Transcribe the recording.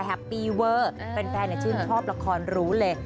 แฮปปี้เวอร์แฟนชื่นชอบละครรู้เลย